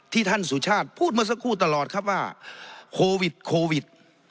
ท่านสุชาติพูดเมื่อสักครู่ตลอดครับว่าโควิดโควิด